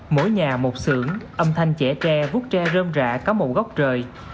mỗi nhà một xưởng âm thanh chẻ tre vút tre rơm rạ cá mù góc trời